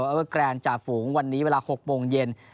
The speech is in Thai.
เวอร์แกรนดจ่าฝูงวันนี้เวลา๖โมงเย็น